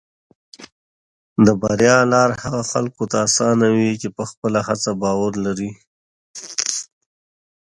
د بریا لار هغه خلکو ته اسانه وي چې په خپله هڅه باور لري.